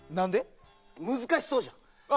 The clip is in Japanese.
難しそうじゃん。